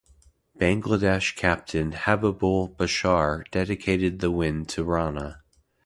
Bangladesh captain Habibul Bashar dedicated the win to Rana.